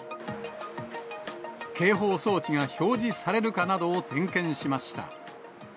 警報装置が表示されるかなどを点検しました。